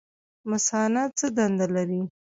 مثانه څه دنده لري؟